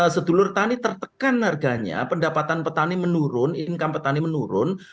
sedulur tani tertekan harganya pendapatan petani menurun income petani menurun